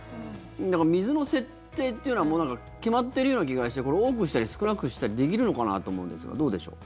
だから水の設定というのはもう決まってるような気がして多くしたり少なくしたりできるのかなと思うんですがどうでしょう。